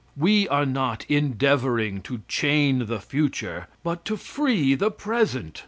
We are not endeavoring to chain the future, but to free the present.